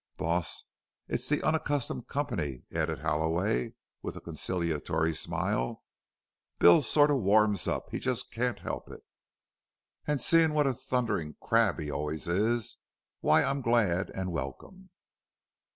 "Boss, it's the onaccustomed company," added Halloway, with a conciliatory smile. "Bill sort of warms up. He jest can't help it. An' seein' what a thunderin' crab he always is, why I'm glad an' welcome."